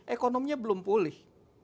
ekonominya belum pulih